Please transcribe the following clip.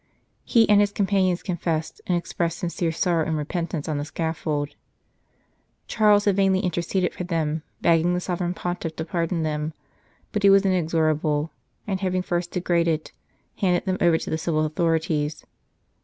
He and his companions confessed, and expressed sincere sorrow and repentance, on the scaffold. St. Charles Borromeo Charles had vainly interceded for them, begging the Sovereign Pontiff to pardon them ; but he was inexorable, and, having first degraded, handed them over to the civil authorities.